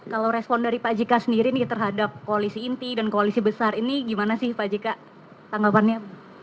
kalau respon dari pak jk sendiri nih terhadap koalisi inti dan koalisi besar ini gimana sih pak jk tanggapannya